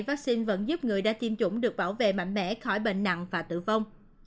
vắc xin vẫn giúp người đã tiêm chủng được bảo vệ mạnh mẽ khỏi bệnh nặng và tử vong